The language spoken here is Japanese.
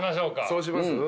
そうします？